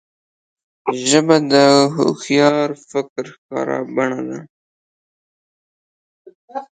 ژبه د هوښیار فکر ښکاره بڼه ده